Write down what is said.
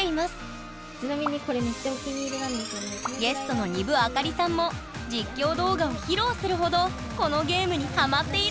ゲストの丹生明里さんも実況動画を披露するほどこのゲームにハマっているんです！